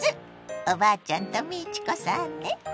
おばあちゃんと美智子さんね！